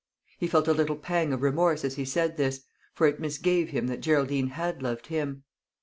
He felt a little pang of remorse as he said this, for it misgave him that Geraldine had loved him.